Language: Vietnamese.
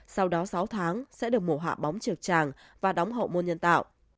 sau đó sáu tháng sẽ được mùa hạ bóng trực tràng và đóng hậu môn nhân tạo